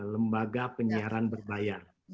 lembaga penyiaran berbayar